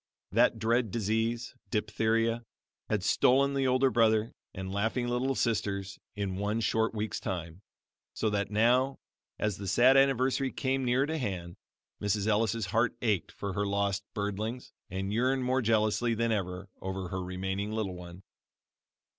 That dread disease, diphtheria, had stolen the older brother and laughing little sisters in one short week's time, so that now, as the sad anniversary came near to hand, Mrs. Ellis' heart ached for her lost birdlings and yearned more jealously than ever over her remaining little one.